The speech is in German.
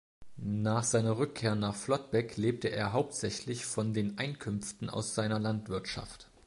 Nach seiner Rückkehr nach Flottbek lebte er hauptsächlich von den Einkünften aus seiner Landwirtschaft.